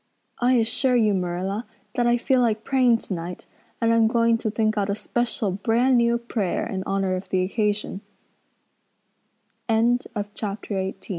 I assure you, Marilla, that I feel like praying tonight and I'm going to think out a special brand new prayer in honor of the occas